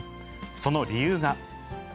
その理由が。